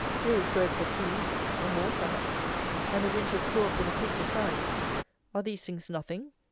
Here is bread for three weeks, or more perhaps; and a winter's straw for the pig besides. Are these things nothing?